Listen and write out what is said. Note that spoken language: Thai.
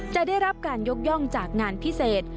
จะได้รับการยกย่องจากงานพิเศษ